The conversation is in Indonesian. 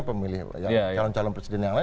pemilih yang calon calon presiden yang lain